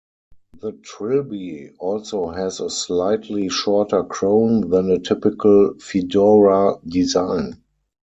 The trilby also has a slightly shorter crown than a typical fedora design.